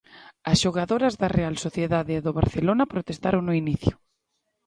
As xogadoras da Real Sociedade e do Barcelona protestaron no inicio.